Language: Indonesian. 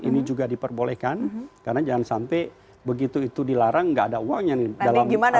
ini juga diperbolehkan karena jangan sampai begitu itu dilarang nggak ada uangnya nih dalam